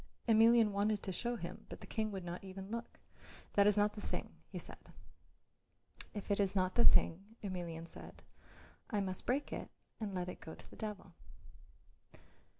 Emelian wanted to show him, but the King would not even look. "That was not the thing," he said. "If it is not the thing," Emelian said, "I must break it and let it go to the devil."